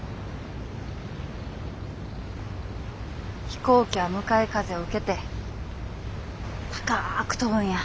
飛行機は向かい風を受けて高く飛ぶんや。